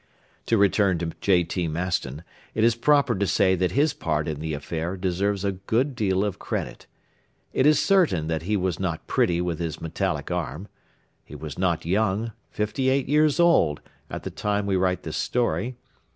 To return to J.T. Maston, it is proper to say that his part in the affair deserves a good deal of credit. It is certain that he was not pretty with his metallic arm. He was not young, fifty eight years old, at the time we write this story.